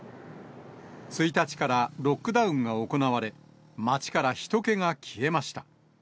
１日からロックダウンが行われ、街からひと気が消えました。